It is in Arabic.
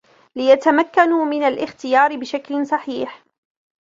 ليتمكنوا من الاختيار بشكل صحيح